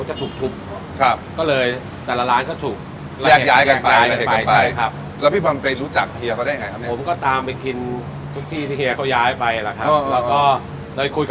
ให้รู้จักเพิ่มข้าได้ไหมครับปุ่มก็ตามไปที่ที่เฮยเป็นย้ายไปแล้วครับแล้วก็เลยคุย